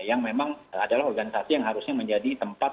yang memang adalah organisasi yang harusnya menjadi tempat